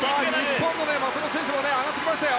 日本の松元克央選手も上がってきましたよ。